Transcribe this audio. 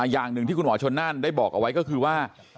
อย่างหนึ่งที่คุณหมอชนนั่นได้บอกเอาไว้ก็คือว่า